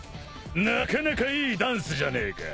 なかなかいいダンスじゃねえか。